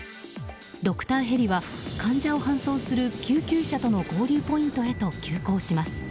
ドクターヘリは患者を搬送する救急車との合流ポイントへと急行します。